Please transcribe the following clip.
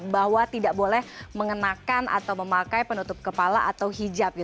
bahwa tidak boleh mengenakan atau memakai penutup kepala atau hijab